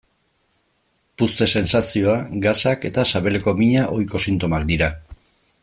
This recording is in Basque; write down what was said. Puzte-sentsazioa, gasak eta sabeleko mina ohiko sintomak dira.